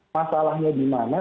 masalahnya di mana